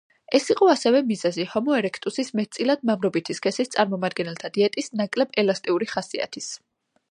ეს იყო ასევე მიზეზი ჰომო ერექტუსის მეტწილად მამრობითი სქესის წარმომადგენელთა დიეტის ნაკლებ ელასტიური ხასიათის.